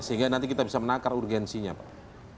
sehingga nanti kita bisa menakar urgensinya pak